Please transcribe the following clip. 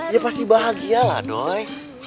ya pasti bahagia lah doy